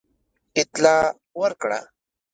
اطلاع ورکړه.